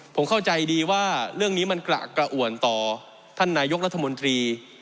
ผมเข้าใจดีว่าเรื่องนี้มันกระอ่วนต่อท่านนายกรัฐมนตรี